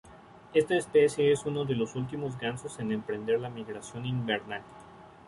Esta especie es uno de las últimos gansos en emprender la migración invernal.